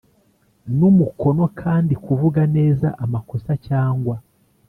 N umukono kandi kuvuga neza amakosa cyangwa